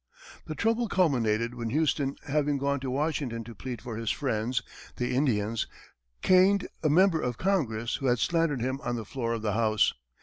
The trouble culminated when Houston, having gone to Washington to plead for his friends, the Indians, caned a member of Congress who had slandered him on the floor of the House.